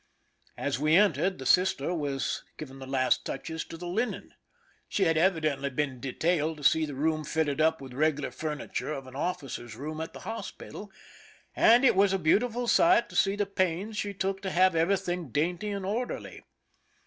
As we entered, the sister was giving the last touches to the linen. She had evidently been detailed to see the room fitted up with the regular furniture of an officer's room at the hospital, and it was a beautiful sight to see the pains she took to have everything dainty and orderly.